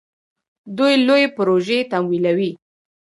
دوی لویې پروژې تمویلوي.